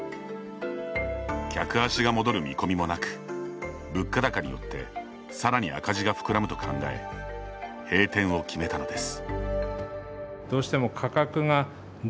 客足が戻る見込みもなく物価高によってさらに赤字が膨らむと考え閉店を決めたのです。